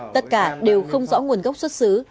tất cả đều không rõ nguồn gốc xuất xứ